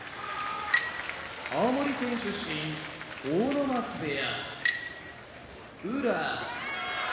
青森県出身阿武松部屋宇良